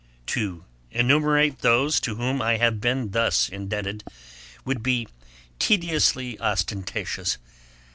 To enumerate those to whom I have been thus indebted, would be tediously ostentatious.